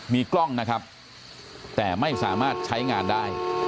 มีกล้องนะครับแต่ไม่สามารถใช้งานได้